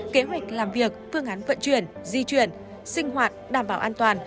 kế hoạch làm việc phương án vận chuyển di chuyển sinh hoạt đảm bảo an toàn